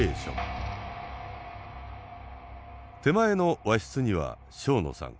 手前の和室には庄野さん。